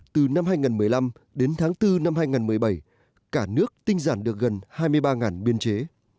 từ năm hai nghìn một mươi năm đến tháng bốn năm hai nghìn một mươi bảy cả nước tinh giản được gần hai mươi ba biên chế